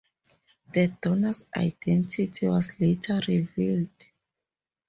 The donor's identity was later revealed.